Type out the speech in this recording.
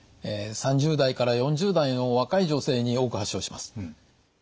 ３０代から４０代の若い女性に多く発症します。